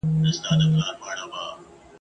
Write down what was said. که په ځان هرڅومره غټ وو خو غویی وو ..